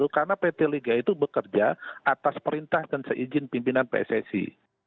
karena pt liga itu bekerja atas perintah dan seizin pimpinan pssi